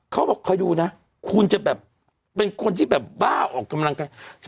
เขาบอกคอยดูนะคุณจะแบบเป็นคนที่แบบบ้าออกกำลังกาย